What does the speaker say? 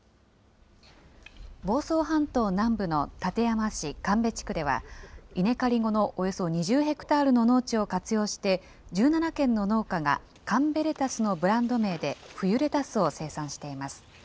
房総半島南部の館山市神戸地区では、稲刈り後のおよそ２０ヘクタールの農地を活用して、１７軒の農家がかんべレタスのブランド名で、冬レタスを生産しています。